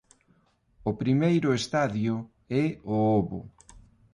O primeiro estadio é o ovo.